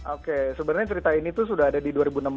oke sebenarnya cerita ini tuh sudah ada di dua ribu enam belas